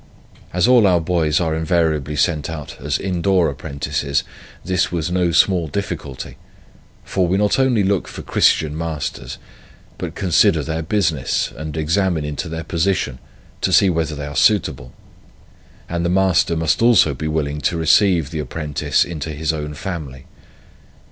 As all our boys are invariably sent out as indoor apprentices, this was no small difficulty; for we not only look for Christian masters, but consider their business, and examine into their position, to see whether they are suitable; and the master must also be willing to receive the apprentice into his own family.